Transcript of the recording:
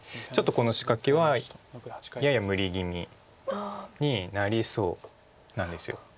この仕掛けはやや無理気味になりそうなんです。